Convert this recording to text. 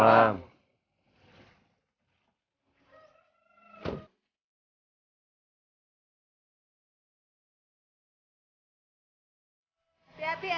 acing kos di rumah aku